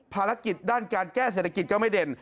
ภารกิจด้านการแก้เศรษฐกิจก็ไม่เด่น